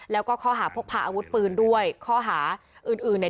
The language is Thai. แล้วก็ข้อหาพกพาอาวุธปืนด้วยข้อหาอื่นอื่นเนี่ย